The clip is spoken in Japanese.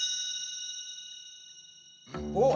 おっ！